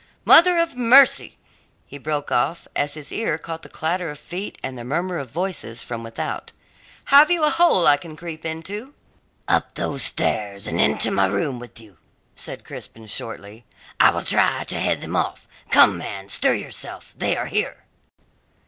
Mother of Mercy!" he broke off, as his ear caught the clatter of feet and the murmur of voices from without. "Have you a hole I can creep into?" "Up those stairs and into my room with you!" said Crispin shortly. "I will try to head them off. Come, man, stir yourself; they are here."